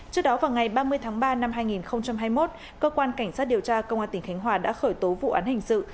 trước đó vào ngày ba mươi tháng ba năm hai nghìn hai mươi một cơ quan cảnh sát điều tra công an tỉnh khánh hòa đã khởi tố vụ án hình sự